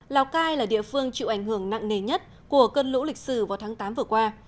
lào cai là địa phương chịu ảnh hưởng nặng nề nhất của cơn lũ lịch sử vào tháng tám vừa qua